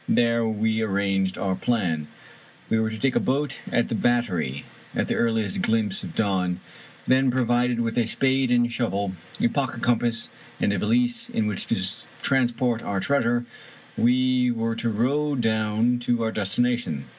There we arranged our plan. We were to take a boat at the Battery, at the earliest glimpse of dawn ; then, provided with a spade and shovel, a pocket compass and a valise in which to transport our treasure, we were to row down to our destination.